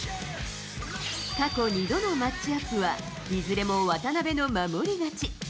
過去２度のマッチアップは、いずれも渡邊の守り勝ち。